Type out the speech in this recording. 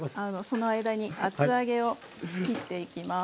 その間に厚揚げを切っていきます。